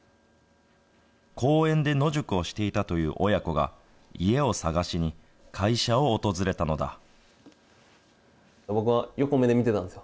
公園で野宿をしていたという親子が、家を探しに会社を訪れたのだ。